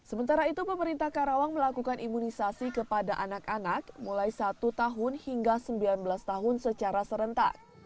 sementara itu pemerintah karawang melakukan imunisasi kepada anak anak mulai satu tahun hingga sembilan belas tahun secara serentak